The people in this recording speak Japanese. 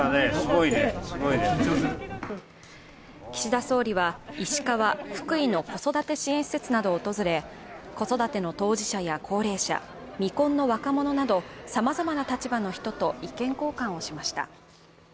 岸田総理は石川、福井の子育て支援施設などを訪れ子育ての当事者や高齢者、未婚の若者など、さまざまな立場の人と意見交換をしました。